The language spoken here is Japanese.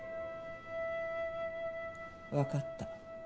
わかった。